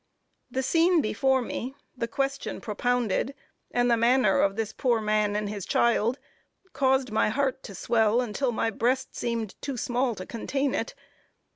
The scene before me the question propounded and the manner of this poor man and his child, caused my heart to swell until my breast seemed too small to contain it.